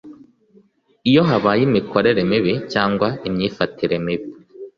Iyo habaye imikorere mibi cyangwa imyifatire mibi